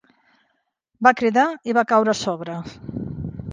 Va cridar i va caure a sobre.